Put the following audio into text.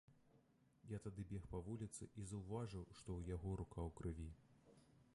Я тады бег па вуліцы і заўважыў, што ў яго рука ў крыві.